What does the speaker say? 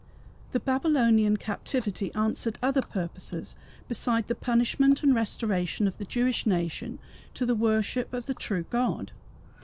The Babylonian captivity answered other purposes beside the punishment and restoration of the Jewish nation to the worship of the true God.